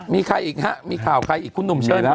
มีใครอีกฮะมีข่าวใครอีกคุณหนุ่มเชิญครับ